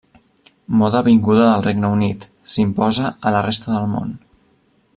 Moda vinguda del Regne Unit, s'imposa a la resta del món.